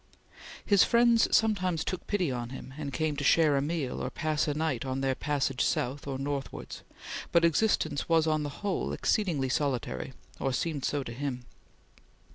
His friends sometimes took pity on him, and came to share a meal or pass a night on their passage south or northwards, but existence was, on the whole, exceedingly solitary, or seemed so to him.